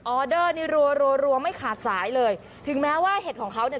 ออเดอร์นี่รัวรัวไม่ขาดสายเลยถึงแม้ว่าเห็ดของเขาเนี่ย